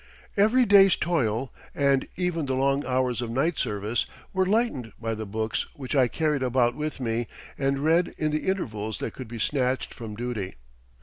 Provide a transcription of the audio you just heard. Every day's toil and even the long hours of night service were lightened by the book which I carried about with me and read in the intervals that could be snatched from duty.